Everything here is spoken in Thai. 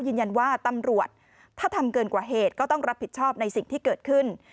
ยืนยันว่าตำรวจถ้าทำเกินกว่าเหตุก็ต้องรับผิดชอบในสิ่งที่เกิดขึ้น